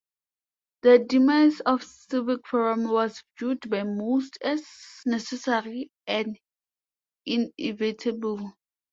The demise of Civic Forum was viewed by most as necessary and inevitable.